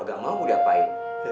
gak mau udah pahit